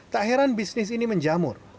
tak heran bisnis ini menjamur